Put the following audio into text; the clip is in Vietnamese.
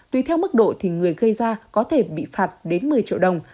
tùy theo mức độ thì người gây ra có thể bị phạt đến một mươi triệu đồng